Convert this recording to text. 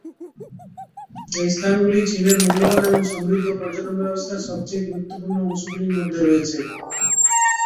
এই স্থানগুলি চীনের মূল্যবান এবং সমৃদ্ধ পর্যটন ব্যবস্থার সবচেয়ে গুরুত্বপূর্ণ অংশগুলির মধ্যে রয়েছে।